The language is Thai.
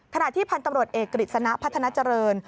ที่พันธุ์ตำรวจเอกกฤษณะพัฒนาเจริญ